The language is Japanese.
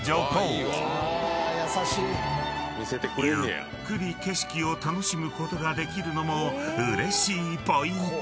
［ゆっくり景色を楽しむことができるのもうれしいポイント！